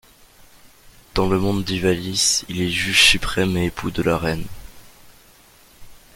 Dans le monde d'Ivalice, il est juge suprême et époux de la reine.